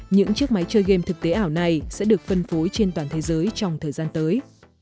những chiếc máy chơi game thực tế ảo này sẽ được phân phối trên toàn thế giới trong thời gian tới